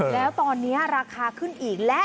แล้วตอนนี้ราคาขึ้นอีกแล้ว